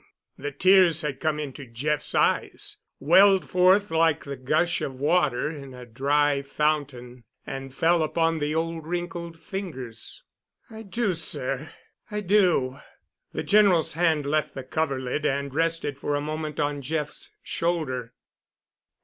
The tears had come into Jeff's eyes, welled forth like the gush of water in a dry fountain, and fell upon the old wrinkled fingers. "I do, sir—I do." The General's hand left the coverlid and rested for a moment on Jeff's shoulder.